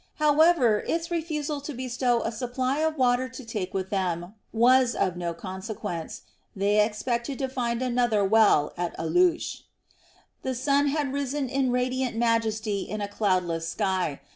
However, its refusal to bestow a supply of water to take with them was of no consequence; they expected to find another well at Alush. The sun had risen in radiant majesty in a cloudless sky.